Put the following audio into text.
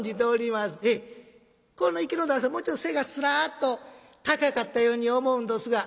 もうちょっと背がすらっと高かったように思うんどすが」。